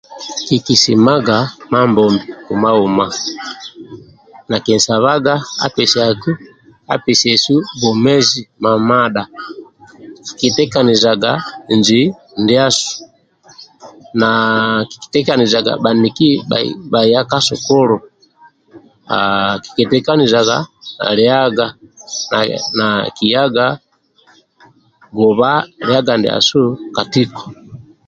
Kikinsimga Mambobi humahuma kiki nsabaga apesiesu bwomezi mamadha kitakanijaga nji ndiasu na akitekanizaga baniki bhaya ka sukulu kiki tekanizaga liaga na kiyaga kiyaga gubha liaga ndiasu ka tiko